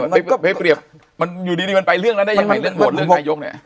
ไปเปรียบมันอยู่ดีมันไปเรื่องนั้นได้ยังไงเรื่องโหวตเรื่องนายกเนี่ย